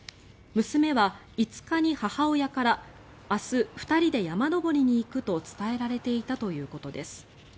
娘は５日に母親から明日、２人で山登りに行くと伝えられていたということです。